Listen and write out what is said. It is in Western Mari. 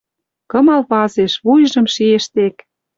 Кымал вазеш, вуйжым шиэш тек...